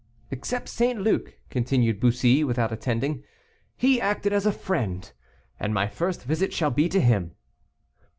"Except St. Luc," continued Bussy, without attending; "he acted as a friend, and my first visit shall be to him."